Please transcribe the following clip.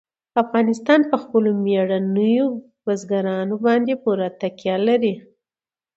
افغانستان په خپلو مېړنیو بزګانو باندې پوره تکیه لري.